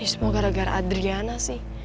semua gara gara adriana sih